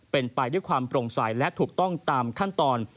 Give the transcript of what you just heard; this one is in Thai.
เป็นไปด้วยความโปร่งใสและถูกต้องตามขั้นตอน